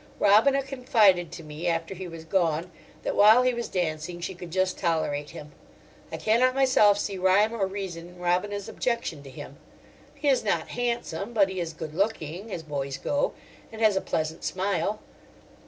Robina confided to me after he was gone that while he was dancing she could just tolerate him. I cannot myself see rhyme or reason in Robina's objection to him. He is not handsome, but he is good looking, as boys go, and has a pleasant smile.